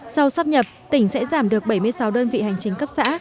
sau sáp nhập tỉnh sẽ giảm được bảy mươi sáu đơn vị hành trình cấp xã